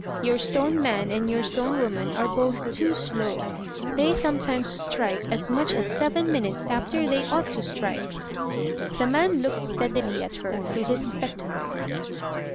Your stone man and your stone woman are both too slow; they sometimes strike as much as seven minutes after they ought to strike." The man looked steadily at her through his spectacles.